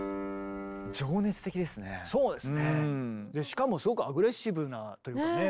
しかもすごくアグレッシブなというかね。